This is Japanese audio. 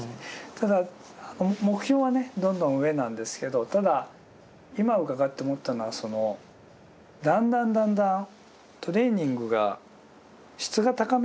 ただ目標はねどんどん上なんですけどただ今伺って思ったのはだんだんだんだんトレーニングが質が高められるんですね。